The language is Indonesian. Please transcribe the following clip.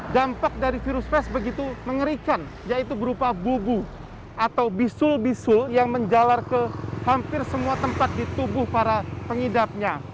dampak dari virus fest begitu mengerikan yaitu berupa bubu atau bisul bisul yang menjalar ke hampir semua tempat di tubuh para pengidapnya